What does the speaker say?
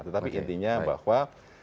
tetapi intinya bahwa